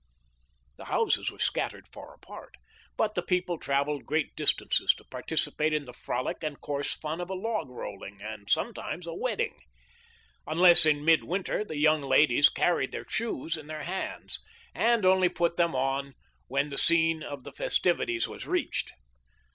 The houses were scattered far apart, but the people travelled great distances to participate in the frolic and coarse fun of a log rolling and some times a wedding. Unless in mid winter the young ladies carried their shoes in their hands, and only THE LIFE OF LINCOLN. 6$ put them on when the scene of the festivities was reached.